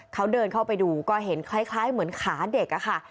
เขาเดินเข้าไปดูก็เห็นคล้ายเหมือนขาเด็กอะค่ะ